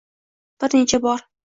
bir necha bor